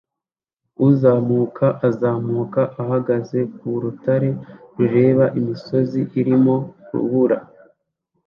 Uzamuka azamuka ahagaze ku rutare rureba imisozi irimo urubura